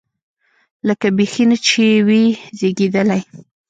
لکه بيخي نه چې وي زېږېدلی.